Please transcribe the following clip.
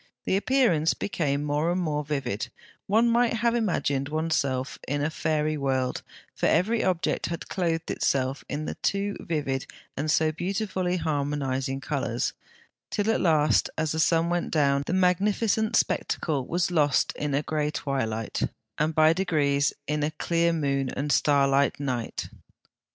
The appearance became more and more vivid: one might have imagined oneself in a fairy world, for every object had clothed itself in the two vivid and so beautifully harmonising colours, till at last, as the sun went down, the magnificent spectacle was lost in a grey twilight, and by degrees in a clear moon and starlight night.